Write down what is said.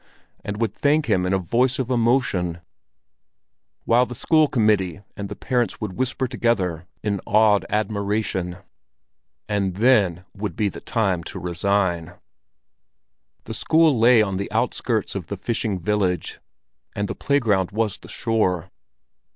and would thank him in a voice of emotion; while the school committee and the parents would whisper together in awed admiration. And then would be the time to resign! The school lay on the outskirts of the fishing village, and the playground was the shore.